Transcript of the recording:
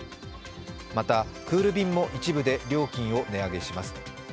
また、クール便も一部で料金を値上げします。